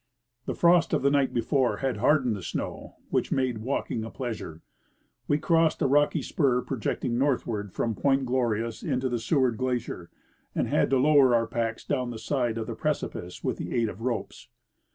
The frost of the night before had hardened the snow, which made Avalking a pleasure. We crossed a rocky spur projecting nortliAvard from Point Glorious into the ScAvarcl glacier, and had to loAver our packs down the side of the precipice Avith the aid of ropes.